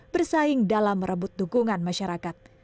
bersaing dalam merebut dukungan masyarakat